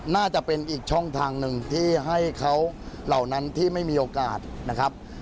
น่าจะเป็นอีกช่องทางหนึ่งที่ให้เขาเหล่านั้นที่ไม่มีโอกาสนะครับ